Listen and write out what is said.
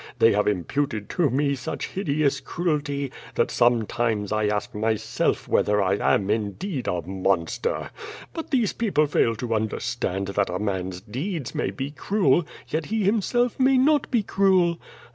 Tliey have imputed to me such hideous cruelty that sometimes I ask myself whether I am indeed a monster. But these people fail to understand that a man's deeds may be cruel, yet he himself may not be cruel.